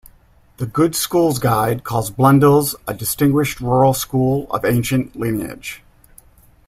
The "Good Schools Guide" calls Blundell's a "distinguished rural school of ancient lineage.